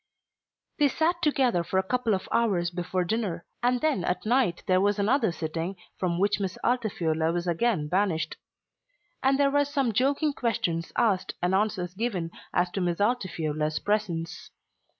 They sat together for a couple of hours before dinner, and then at night there was another sitting from which Miss Altifiorla was again banished. And there were some joking questions asked and answers given as to Miss Altifiorla's presence.